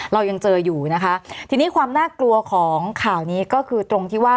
เรายังเจออยู่นะคะทีนี้ความน่ากลัวของข่าวนี้ก็คือตรงที่ว่า